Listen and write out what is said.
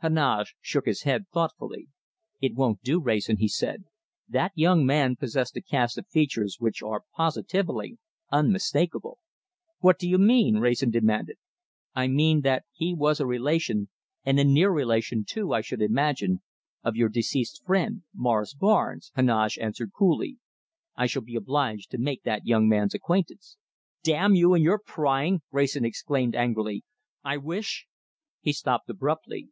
Heneage shook his head thoughtfully. "It won't do, Wrayson," he said. "That young man possessed a cast of features which are positively unmistakable." "What do you mean?" Wrayson demanded. "I mean that he was a relation, and a near relation, too, I should imagine, of our deceased friend Morris Barnes," Heneage answered coolly. "I shall be obliged to make that young man's acquaintance." "Damn you and your prying!" Wrayson exclaimed angrily. "I wish " He stopped abruptly.